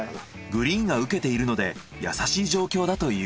グリーンが受けているので優しい状況だという。